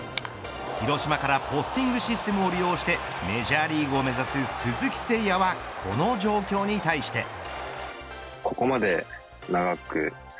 広島からポスティングシステムを利用してメジャーリーグを目指す鈴木誠也はこの状況に対して。